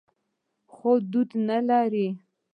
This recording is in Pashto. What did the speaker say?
خو دود نه لري.